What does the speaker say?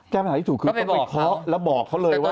ปัญหาที่ถูกคือต้องไปเคาะแล้วบอกเขาเลยว่า